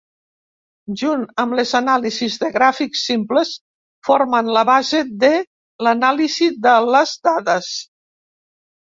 Junt amb les anàlisis de gràfics simples formen la base de l'anàlisi de les dades.